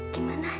di mana sih